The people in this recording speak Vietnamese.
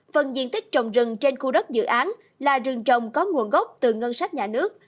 phần diện tích trồng rừng trên khu đất dự án là rừng trồng có nguồn gốc từ ngân sách nhà nước